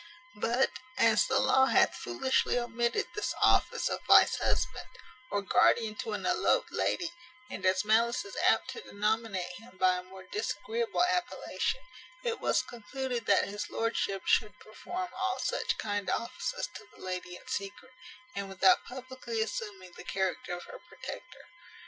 But, as the law hath foolishly omitted this office of vice husband, or guardian to an eloped lady, and as malice is apt to denominate him by a more disagreeable appellation, it was concluded that his lordship should perform all such kind offices to the lady in secret, and without publickly assuming the character of her protector.